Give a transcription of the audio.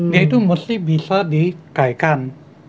dia itu mesti bisa dikaitkan